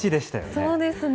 そうですね。